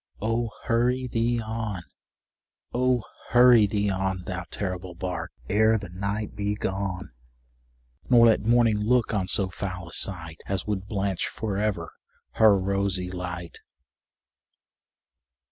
Oh! hurry thee on oh! hurry thee on, Thou terrible bark, ere the night be gone, Nor let morning look on so foul a sight As would blanch for ever her rosy light!